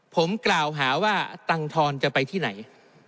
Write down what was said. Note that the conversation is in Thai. ผมกล่าวหาว่าตังทอนจะไปที่ไหน